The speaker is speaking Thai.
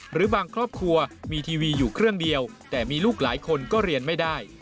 หรือบางครอบครัวมีทีวีอยู่เครื่องเดียวแต่มีลูกหลายคนก็เรียนไม่ได้